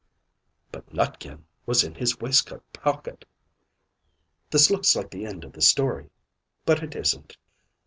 BUT NUTKIN WAS IN HIS WAISTCOAT POCKET! This looks like the end of the story; but it isn't.